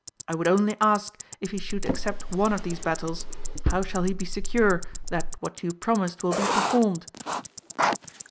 I would only ask if he should accept one of these battles, how shall he be secure that what you promised will be performed